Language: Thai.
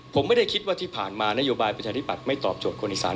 ผมไม่ได้คิดว่าที่ผ่านมานโยบายประชาธิบัตย์ไม่ตอบโจทย์คนอีสาน